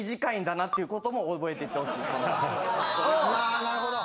あなるほど。